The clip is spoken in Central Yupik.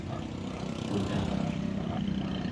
quta¹